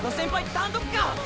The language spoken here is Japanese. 単独か！？